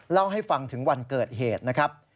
เล่าให้ฟังถึงวันเกิดเหตุนะครับ